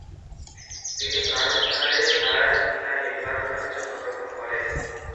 তিনি কার্লস্টাডে Sara Stina Hedberg নামে জন্মগ্রহণ করেন।